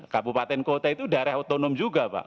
kabupaten kota itu daerah otonom juga pak